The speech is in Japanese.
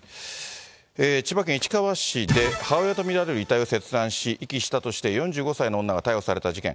千葉県市川市で、母親と見られる遺体を切断し、遺棄したとして４５歳の女が逮捕された事件。